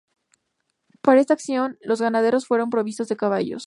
Para esta acción los granaderos fueron provistos de caballos.